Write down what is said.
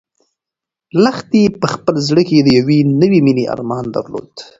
لښتې په خپل زړه کې د یوې نوې مېنې ارمان درلود.